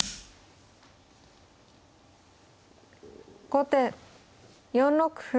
後手４六歩。